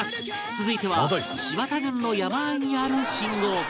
続いては柴田郡の山あいにある信号機